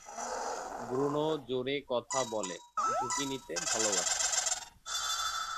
Bruno জোরে কথা বলে, ঝুঁকি নিতে ভালোবাসে।